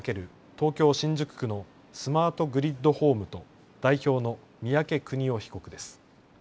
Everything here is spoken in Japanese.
東京新宿区のスマートグリッドホームと代表の三宅邦夫被告です。